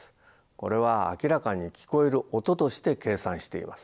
これは明らかに聞こえる音として計算しています。